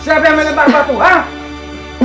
eh siapa yang meletak batu hah